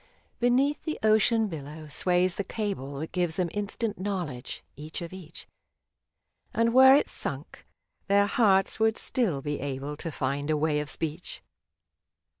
Beneath the ocean billow sways the cable That gives them instant knowledge, each of each, And were it sunk, their hearts would still be able To find a way of speech.